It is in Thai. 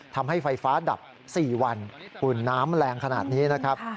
ทำให้ไฟฟ้าดับ๔วันหุ่นน้ำแรงขนาดนี้นะครับ